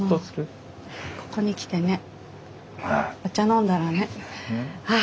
ここに来てねお茶飲んだらねはあ